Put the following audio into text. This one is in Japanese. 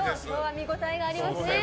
見応えがありますね。